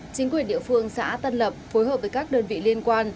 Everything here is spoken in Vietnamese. chính quyền địa phương xã tân lập phối hợp với các đơn vị liên quan